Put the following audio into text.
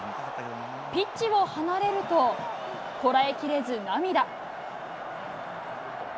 ピッチを離れると、こらえきれず涙。